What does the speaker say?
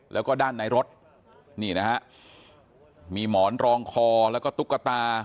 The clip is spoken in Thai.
แล้วก็ด้านในรถนี่นะฮะมีหมอนรองคอแล้วก็ตุ๊กตา